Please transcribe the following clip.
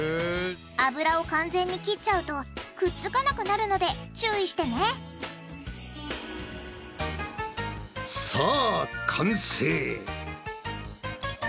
油を完全に切っちゃうとくっつかなくなるので注意してねさあ完成！